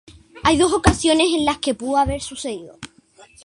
Hay dos ocasiones en las que pudo haber sucedido.